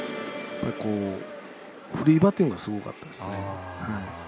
フリーバッティングがすごかったですね。